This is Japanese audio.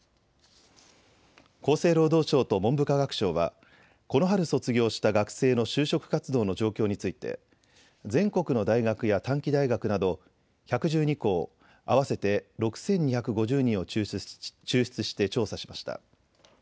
厚生労働省と文部科学省はこの春卒業した学生の就職活動の状況について、全国の大学や短期大学など１１２校、合わせて６２５０人を抽出して調査しました。